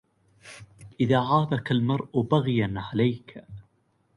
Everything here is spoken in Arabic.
إذا عابك المرء بغيا عليك